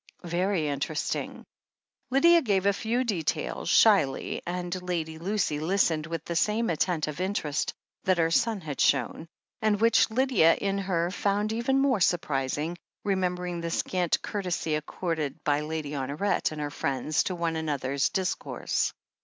"Very interesting." Lydia gave a few details, shyly, and Lady Lucy listened with the same attentive interest that her son had shown, and which Lydia, in her, found even more surprising, remembering the scant courtesy accorded by Lady Honoret and her friends to one another's dis course.